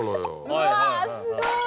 うわすごい！